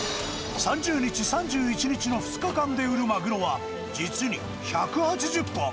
３０日、３１日の２日間で売るマグロは、実に１８０本。